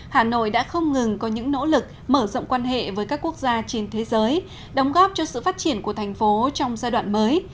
hà nội đã không ngừng có những nỗ lực mở rộng quan hệ với các quốc gia trên thế giới đóng góp cho sự phát triển của thành phố trong giai đoạn mới